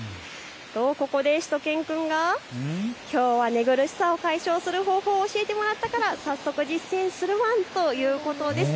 ここでしゅと犬くんがきょうは寝苦しさを解消する方法を教えてもらったから早速実践するワンということです。